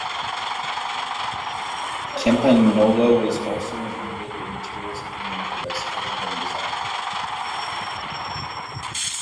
Campagnolo was also an innovator in materials engineering for bicycle component design.